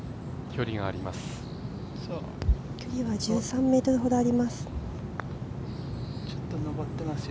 距離は１３ｍほどあります。